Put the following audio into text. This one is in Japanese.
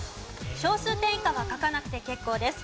小数点以下は書かなくて結構です。